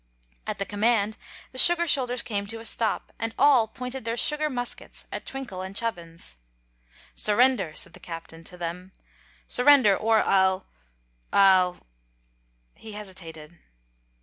At the command, the sugar soldiers came to a stop, and all pointed their sugar muskets at Twinkle and Chubbins. "Surrender!" said the Captain to them. "Surrender, or I'll I'll " He hesitated.